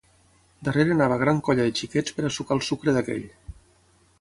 Darrere anava gran colla de xiquets per a sucar el sucre d’aquell.